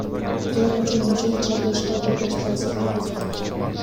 Зоок үчүн аңчылык жаратылышка өтө терс таасир тийгизет.